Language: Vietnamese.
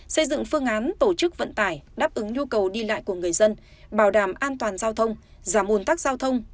xây dựng phương án tổ chức vận tải đáp ứng nhu cầu đi lại của người dân bảo đảm an toàn giao thông giảm ồn tắc giao thông